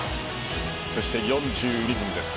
そして４２分です。